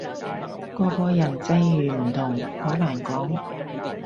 個個人際遇唔同，好難講